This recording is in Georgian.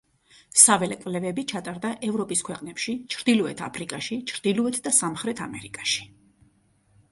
საველე კვლევები ჩაატარა ევროპის ქვეყნებში, ჩრდილოეთ აფრიკაში, ჩრდილოეთ და სამხრეთ ამერიკაში.